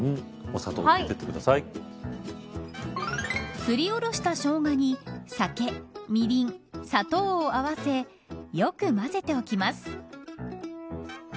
すりおろしたしょうがに酒、みりん、砂糖を合わせよく混ぜておきます。